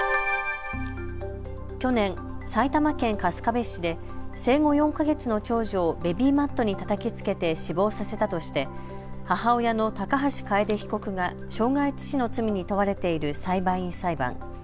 去年、埼玉県春日部市で生後４か月の長女をベビーマットにたたきつけて死亡させたとして母親の高橋楓被告が傷害致死の罪に問われている裁判員裁判。